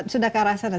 sudah ke arah sana